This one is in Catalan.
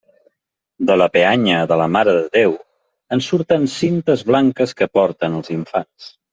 De la peanya de la Mare de Déu en surten cintes blanques que porten els infants.